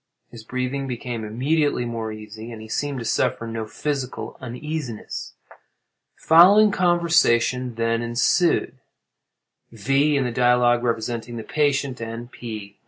His breathing became immediately more easy, and he seemed to suffer no physical uneasiness. The following conversation then ensued:—V. in the dialogue representing the patient, and P.